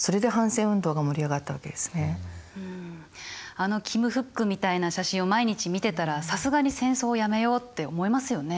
あのキム・フックみたいな写真を毎日見てたらさすがに戦争やめようって思いますよね。